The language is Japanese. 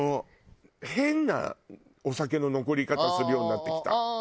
変なお酒の残り方するようになってきた。